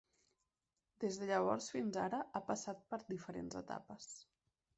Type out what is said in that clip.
Des de llavors i fins ara ha passat per diferents etapes.